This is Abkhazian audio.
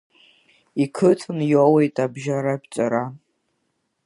Иқыҭан иоуеит абжьаратә ҵара.